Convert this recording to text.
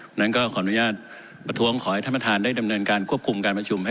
เพราะฉะนั้นก็ขออนุญาตประท้วงขอให้ท่านประธานได้ดำเนินการควบคุมการประชุมให้